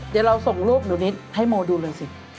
เดี๋ยวเราส่งรูปหนูนิดให้โมดูเลยสิ